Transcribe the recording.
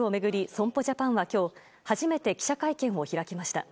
損保ジャパンは今日初めて記者会見を開きました。